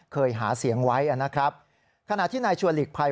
เคยหาเสียงไว้นะครับ